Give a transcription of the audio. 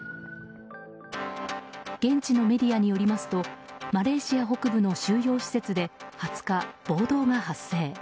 現地のメディアによりますとマレーシア北部の収容施設で２０日、暴動が発生。